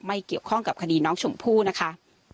เกี่ยวข้องกับคดีน้องชมพู่นะคะ